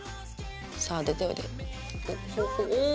さあ出ておいで。